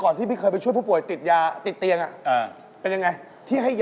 นี่ผู้ป่วยติดเตียงแล้วพี่